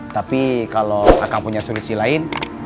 tapi kalau akan punya solusi lain